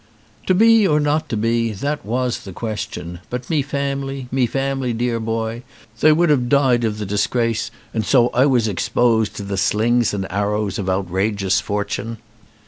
"To be or not to be, that was the question, but me family, me family, dear boy, they would have died of the disgrace, and so I was exposed to the slings and arrows of outrageous fortune."